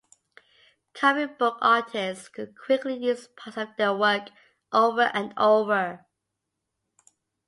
Comic book artists could quickly use parts of their work over and over.